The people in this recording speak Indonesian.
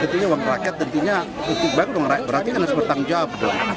tentunya uang rakyat tentunya berarti harus bertanggung jawab dong